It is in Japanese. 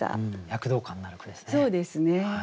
躍動感のある句ですね。